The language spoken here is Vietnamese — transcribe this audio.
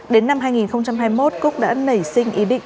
đến năm hai nghìn hai mươi một cúc đã nảy sinh ý định